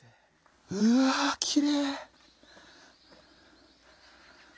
うわきれい！